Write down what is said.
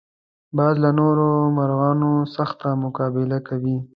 باز له نورو مرغانو سخته مقابله کوي